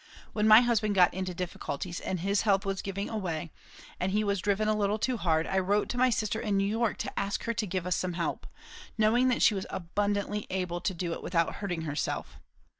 When my husband got into difficulties, and his health was giving way, and he was driven a little too hard, I wrote to my sister in New York to ask her to give us some help; knowing that she was abundantly able to do it, without hurting herself.